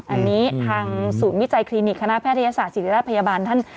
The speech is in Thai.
อันนี้ทางศูนย์วิจัยคลินิกคณะแพทยศาสตร์ศิริราชพยาบาลท่าน